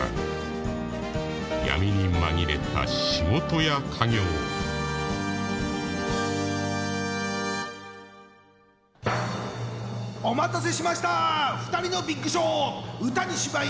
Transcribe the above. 闇に紛れた仕事屋稼業お待たせしました「ふたりのビッグショー」！